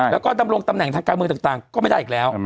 แล้วก็ดำรงตำแหน่งทางการเมืองต่างก็ไม่ได้อีกแล้ว